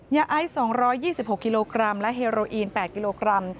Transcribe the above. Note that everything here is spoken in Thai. ยาไอซ์๒๒๖กิโลกรัมและเฮโรอีน๘กิโลกรัม